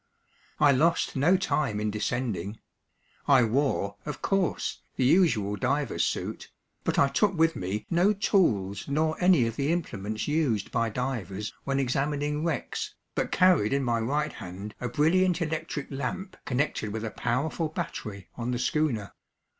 I lost no time in descending. I wore, of course, the usual diver's suit, but I took with me no tools nor any of the implements used by divers when examining wrecks, but carried in my right hand a brilliant electric lamp connected with a powerful battery on the schooner.